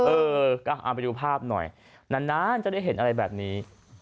เออก็เอาไปดูภาพหน่อยนานจะได้เห็นอะไรแบบนี้